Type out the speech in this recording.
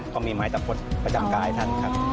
ก็มีไม้ตะพดประจำกายท่านครับ